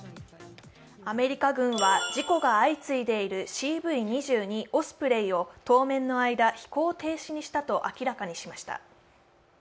アメリカ軍は事故が相次いでいるＣＶ２２オスプレイを当面の間、飛行停止にしたと明らかにしました。